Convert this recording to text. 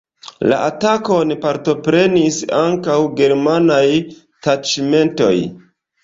La atakon partoprenis ankaŭ germanaj taĉmentoj.